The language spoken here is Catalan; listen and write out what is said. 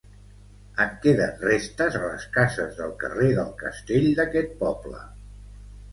En queden restes a les cases del carrer del Castell d'aquest poble.